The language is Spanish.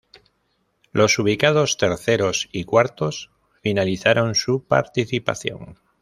Los ubicados terceros y cuartos finalizaron su participación.